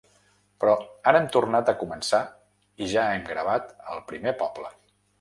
Però ara hem tornat a començar i ja hem gravat el primer poble.